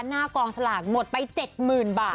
หน้ากองสลากหมดไป๗๐๐๐บาท